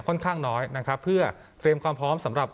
ค่อนข้างน้อยนะครับเพื่อเตรียมความพร้อมสำหรับ